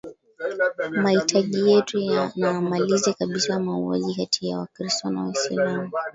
aa mahitaji yetu na amalize kabisa mauaji kati ya wakristo na waislamu